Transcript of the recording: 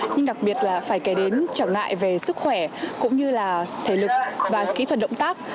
nhưng đặc biệt là phải kể đến trở ngại về sức khỏe cũng như là thể lực và kỹ thuật động tác